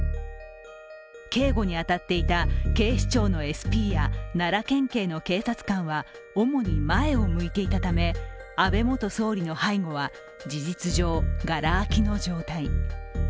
警護に当たっていた警視庁のＳＰや奈良県警の警察官は主に前を向いていたため、安倍元総理の背後は事実上、がら空きの状態。